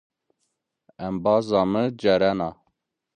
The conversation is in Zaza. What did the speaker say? Emabaza mı Cerena.